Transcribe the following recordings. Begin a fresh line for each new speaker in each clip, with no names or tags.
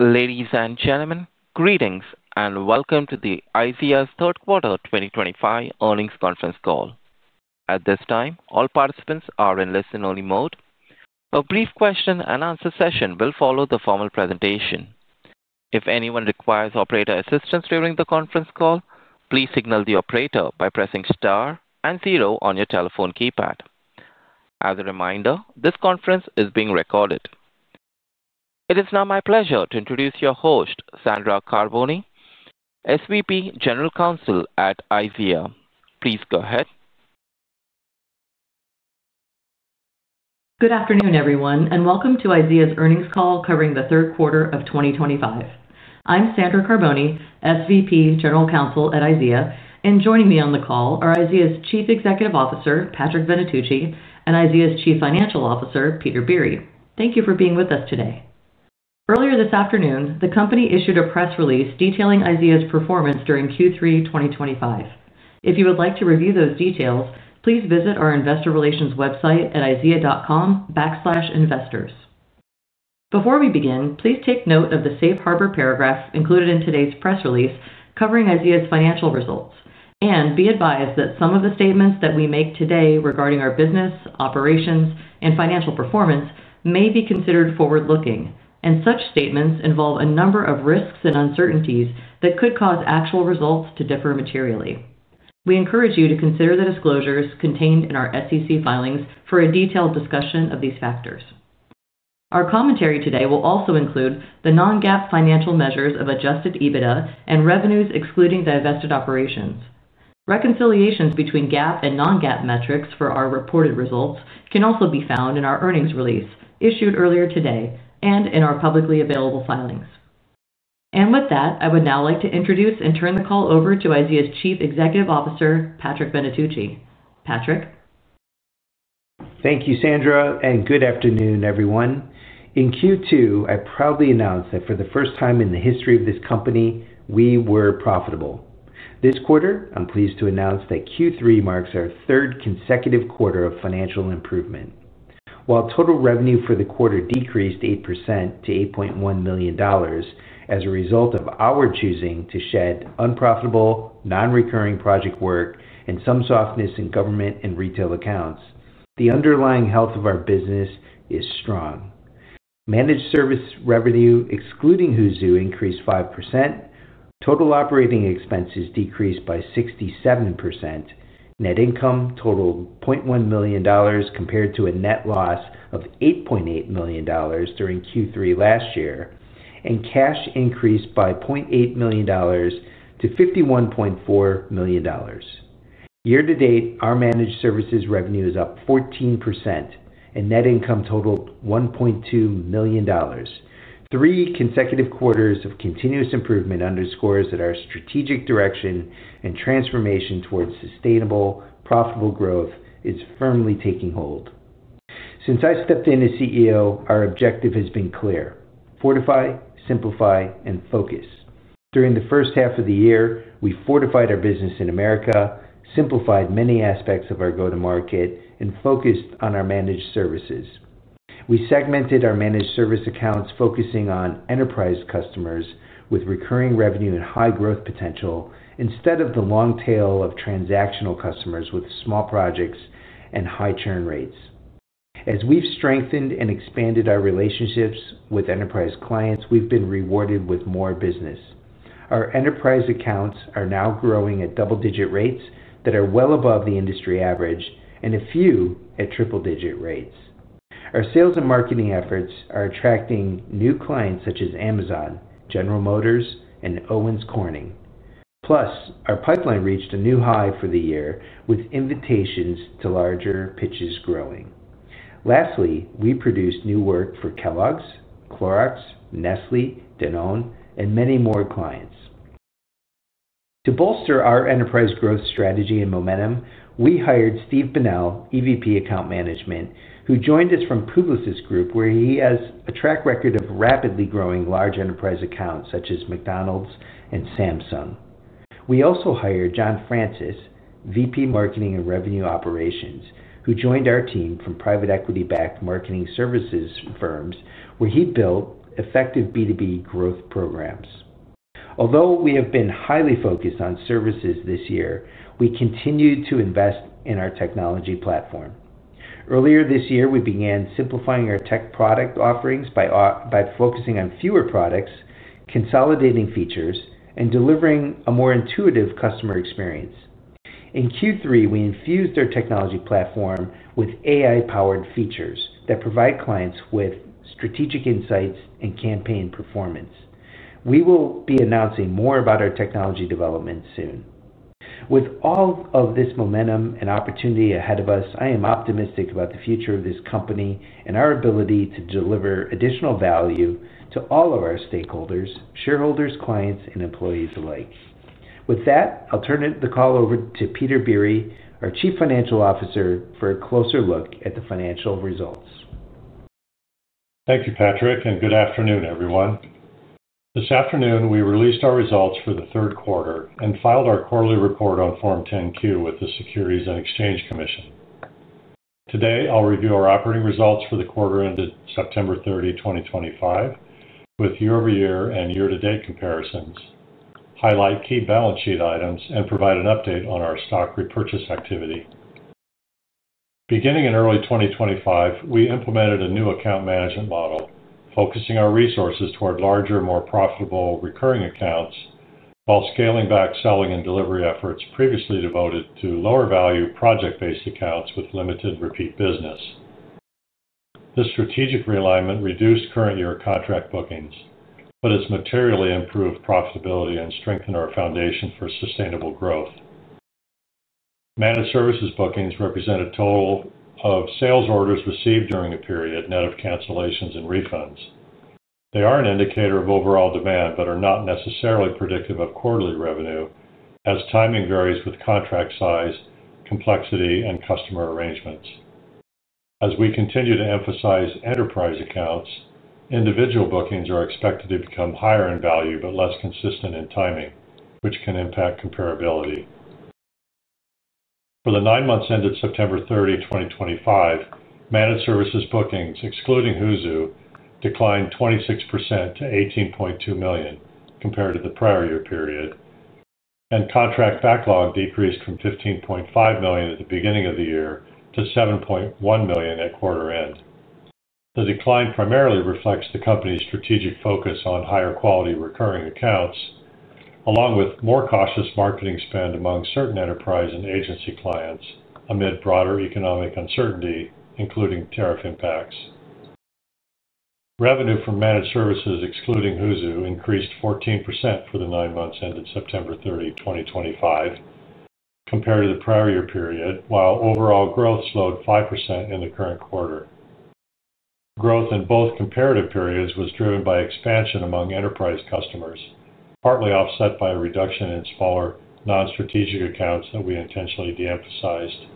Ladies and gentlemen, greetings and welcome to the IZEA's Third Quarter 2025 Earnings Conference Call. At this time, all participants are in listen-only mode. A brief question-and-answer session will follow the formal presentation. If anyone requires operator assistance during the conference call, please signal the operator by pressing Star and Zero on your telephone keypad. As a reminder, this conference is being recorded. It is now my pleasure to introduce your host, Sandra Carbone, SVP and General Counsel at IZEA. Please go ahead.
Good afternoon, everyone, and welcome to IZEA's Earnings Call covering the Third Quarter of 2025. I'm Sandra Carbone, SVP General Counsel at IZEA, and joining me on the call are IZEA's Chief Executive Officer, Patrick Venetucci, and IZEA's Chief Financial Officer, Peter Biere. Thank you for being with us today. Earlier this afternoon, the company issued a press release detailing IZEA's performance during Q3 2025. If you would like to review those details, please visit our investor relations website at izea.com/investors. Before we begin, please take note of the safe harbor paragraph included in today's press release covering IZEA's financial results, and be advised that some of the statements that we make today regarding our business, operations, and financial performance may be considered forward-looking, and such statements involve a number of risks and uncertainties that could cause actual results to differ materially. We encourage you to consider the disclosures contained in our SEC filings for a detailed discussion of these factors. Our commentary today will also include the non-GAAP financial measures of adjusted EBITDA and revenues excluding divested operations. Reconciliations between GAAP and non-GAAP metrics for our reported results can also be found in our earnings release issued earlier today and in our publicly available filings. With that, I would now like to introduce and turn the call over to IZEA's Chief Executive Officer, Patrick Venetucci. Patrick.
Thank you, Sandra, and good afternoon, everyone. In Q2, I proudly announced that for the first time in the history of this company, we were profitable. This quarter, I'm pleased to announce that Q3 marks our third consecutive quarter of financial improvement. While total revenue for the quarter decreased 8% to $8.1 million as a result of our choosing to shed unprofitable, non-recurring project work and some softness in government and retail accounts, the underlying health of our business is strong. Managed service revenue excluding Hoozu increased 5%, total operating expenses decreased by 67%, net income totaled $0.1 million compared to a net loss of $8.8 million during Q3 last year, and cash increased by $0.8 million to $51.4 million. Year-to-date, our managed services revenue is up 14%, and net income totaled $1.2 million. Three consecutive quarters of continuous improvement underscore that our strategic direction and transformation towards sustainable, profitable growth is firmly taking hold. Since I stepped in as CEO, our objective has been clear: fortify, simplify, and focus. During the first half of the year, we fortified our business in America, simplified many aspects of our go-to-market, and focused on our managed services. We segmented our managed services accounts focusing on enterprise customers with recurring revenue and high growth potential instead of the long tail of transactional customers with small projects and high churn rates. As we've strengthened and expanded our relationships with enterprise clients, we've been rewarded with more business. Our enterprise accounts are now growing at double-digit rates that are well above the industry average, and a few at triple-digit rates. Our sales and marketing efforts are attracting new clients such as Amazon, General Motors, and Owens Corning. Plus, our pipeline reached a new high for the year, with invitations to larger pitches growing. Lastly, we produced new work for Kellogg's, Clorox, Nestlé, Danone, and many more clients. To bolster our enterprise growth strategy and momentum, we hired Steve Bunnell, EVP Account Management, who joined us from Publix, where he has a track record of rapidly growing large enterprise accounts such as McDonald's and Samsung. We also hired John Francis, VP Marketing and Revenue Operations, who joined our team from private equity-backed marketing services firms, where he built effective B2B growth programs. Although we have been highly focused on services this year, we continue to invest in our technology platform. Earlier this year, we began simplifying our tech product offerings by focusing on fewer products, consolidating features, and delivering a more intuitive customer experience. In Q3, we infused our technology platform with AI-powered features that provide clients with strategic insights and campaign performance. We will be announcing more about our technology development soon. With all of this momentum and opportunity ahead of us, I am optimistic about the future of this company and our ability to deliver additional value to all of our stakeholders, shareholders, clients, and employees alike. With that, I'll turn the call over to Peter Biere, our Chief Financial Officer, for a closer look at the financial results.
Thank you, Patrick, and good afternoon, everyone. This afternoon, we released our results for the third quarter and filed our quarterly report on Form 10Q with the Securities and Exchange Commission. Today, I'll review our operating results for the quarter ended September 30, 2025, with year-over-year and year-to-date comparisons, highlight key balance sheet items, and provide an update on our stock repurchase activity. Beginning in early 2025, we implemented a new account management model, focusing our resources toward larger, more profitable recurring accounts while scaling back selling and delivery efforts previously devoted to lower-value project-based accounts with limited repeat business. This strategic realignment reduced current-year contract bookings, but it's materially improved profitability and strengthened our foundation for sustainable growth. Managed services bookings represent a total of sales orders received during a period, net of cancellations and refunds. They are an indicator of overall demand but are not necessarily predictive of quarterly revenue, as timing varies with contract size, complexity, and customer arrangements. As we continue to emphasize enterprise accounts, individual bookings are expected to become higher in value but less consistent in timing, which can impact comparability. For the nine months ended September 30, 2025, managed services bookings, excluding Hoozu, declined 26% to $18.2 million compared to the prior year period, and contract backlog decreased from $15.5 million at the beginning of the year to $7.1 million at quarter end. The decline primarily reflects the company's strategic focus on higher quality recurring accounts, along with more cautious marketing spend among certain enterprise and agency clients amid broader economic uncertainty, including tariff impacts. Revenue from managed services, excluding Hoozu, increased 14% for the nine months ended September 30, 2025, compared to the prior year period, while overall growth slowed 5% in the current quarter. Growth in both comparative periods was driven by expansion among enterprise customers, partly offset by a reduction in smaller non-strategic accounts that we intentionally de-emphasized.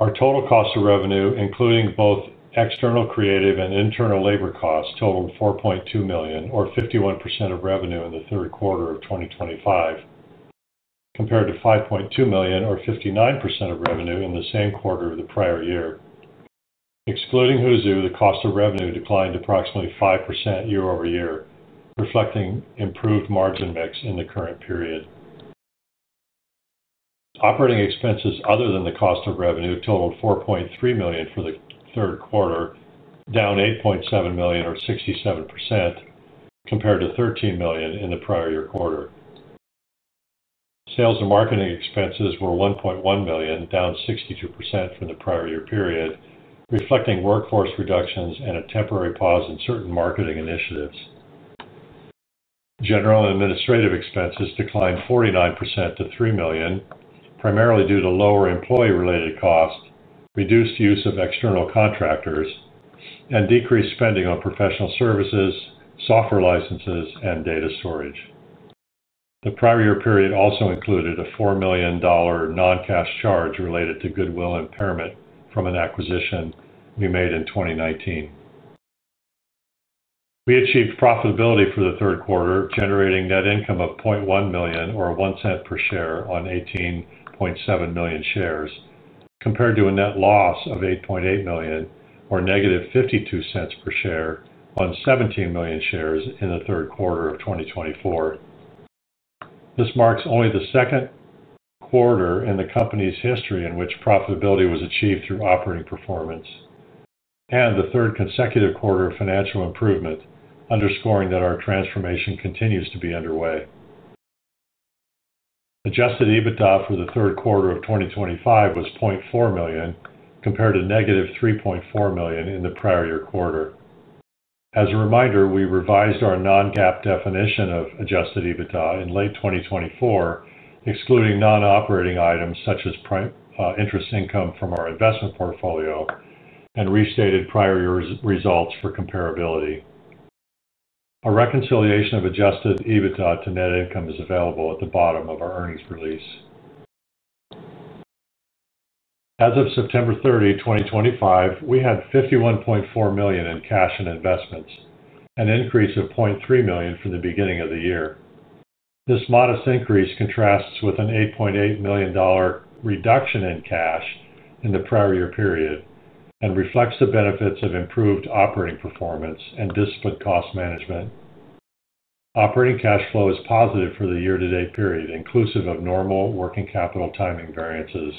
Our total cost of revenue, including both external creative and internal labor costs, totaled $4.2 million, or 51% of revenue in the third quarter of 2025, compared to $5.2 million, or 59% of revenue in the same quarter of the prior year. Excluding Hoozu, the cost of revenue declined approximately 5% year-over-year, reflecting improved margin mix in the current period. Operating expenses other than the cost of revenue totaled $4.3 million for the third quarter, down $8.7 million, or 67%, compared to $13 million in the prior year quarter. Sales and marketing expenses were $1.1 million, down 62% from the prior year period, reflecting workforce reductions and a temporary pause in certain marketing initiatives. General and administrative expenses declined 49% to $3 million, primarily due to lower employee-related costs, reduced use of external contractors, and decreased spending on professional services, software licenses, and data storage. The prior year period also included a $4 million non-cash charge related to goodwill impairment from an acquisition we made in 2019. We achieved profitability for the third quarter, generating net income of $0.1 million, or 1 cent per share, on $18.7 million shares, compared to a net loss of $8.8 million, or negative 52 cents per share on $17 million shares in the third quarter of 2024. This marks only the second quarter in the company's history in which profitability was achieved through operating performance, and the third consecutive quarter of financial improvement, underscoring that our transformation continues to be underway. Adjusted EBITDA for the third quarter of 2025 was $0.4 million, compared to negative $3.4 million in the prior year quarter. As a reminder, we revised our non-GAAP definition of adjusted EBITDA in late 2024, excluding non-operating items such as interest income from our investment portfolio, and restated prior year results for comparability. A reconciliation of adjusted EBITDA to net income is available at the bottom of our earnings release. As of September 30, 2025, we had $51.4 million in cash and investments, an increase of $0.3 million from the beginning of the year. This modest increase contrasts with an $8.8 million reduction in cash in the prior year period and reflects the benefits of improved operating performance and disciplined cost management. Operating cash flow is positive for the year-to-date period, inclusive of normal working capital timing variances.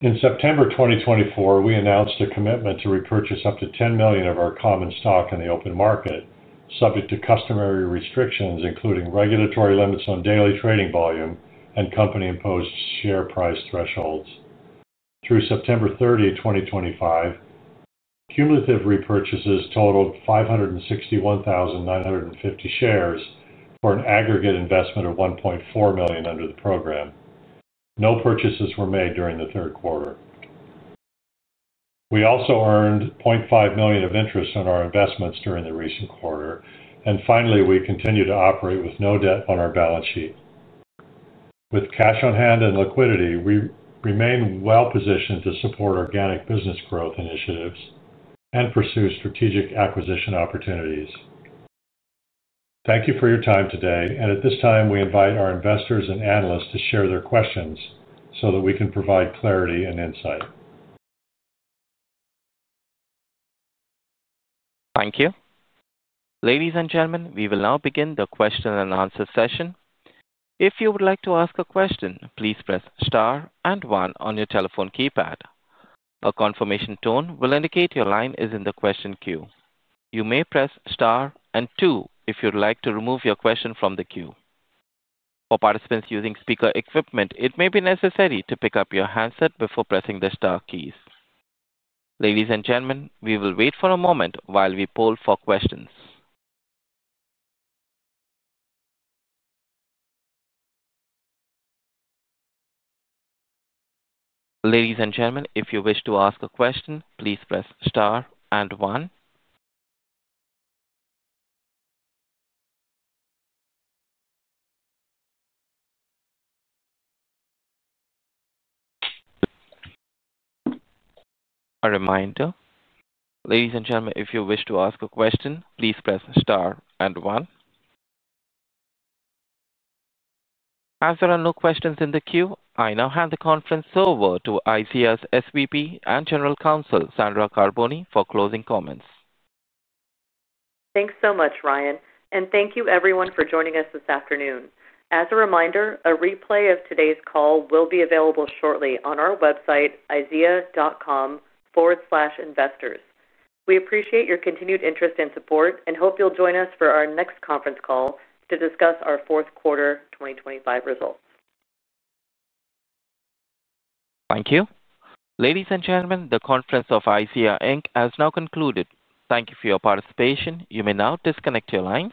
In September 2024, we announced a commitment to repurchase up to $10 million of our common stock in the open market, subject to customary restrictions, including regulatory limits on daily trading volume and company-imposed share price thresholds. Through September 30, 2025, cumulative repurchases totaled 561,950 shares for an aggregate investment of $1.4 million under the program. No purchases were made during the third quarter. We also earned $0.5 million of interest on our investments during the recent quarter, and finally, we continue to operate with no debt on our balance sheet. With cash on hand and liquidity, we remain well-positioned to support organic business growth initiatives and pursue strategic acquisition opportunities. Thank you for your time today, and at this time, we invite our investors and analysts to share their questions so that we can provide clarity and insight.
Thank you. Ladies and gentlemen, we will now begin the question and answer session. If you would like to ask a question, please press Star and 1 on your telephone keypad. A confirmation tone will indicate your line is in the question queue. You may press Star and 2 if you'd like to remove your question from the queue. For participants using speaker equipment, it may be necessary to pick up your handset before pressing the Star keys. Ladies and gentlemen, we will wait for a moment while we poll for questions. Ladies and gentlemen, if you wish to ask a question, please press Star and 1. A reminder, ladies and gentlemen, if you wish to ask a question, please press Star and 1. As there are no questions in the queue, I now hand the conference over to IZEA's SVP and General Counsel, Sandra Carbone, for closing comments.
Thanks so much, Ryan, and thank you, everyone, for joining us this afternoon. As a reminder, a replay of today's call will be available shortly on our website, izea.com/investors. We appreciate your continued interest and support and hope you'll join us for our next conference call to discuss our fourth quarter 2025 results.
Thank you. Ladies and gentlemen, the conference of IZEA has now concluded. Thank you for your participation. You may now disconnect your lines.